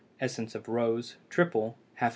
Essence of rose (triple) 2 qts.